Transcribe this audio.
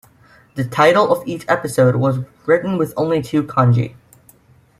The title of each episode was written with only two Kanji.